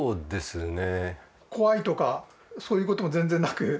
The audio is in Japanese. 怖いとかそういうことも全然なく？